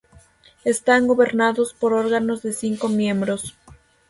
Están gobernados por órganos de cinco miembros.